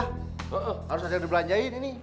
harus aja dibelanjain ini